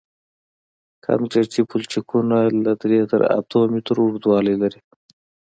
کانکریټي پلچکونه له درې تر اتو مترو اوږدوالی لري